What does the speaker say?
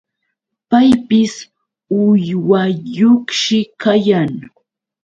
Paypis uywayuqshi kayan.